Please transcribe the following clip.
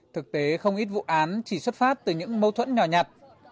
thực tế không ít vụ án chỉ xuất phát từ những mâu thuẫn nhỏ nhặt